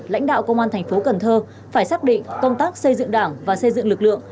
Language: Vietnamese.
lãnh đạo công an thành phố cần thơ phải xác định công tác xây dựng đảng và xây dựng lực lượng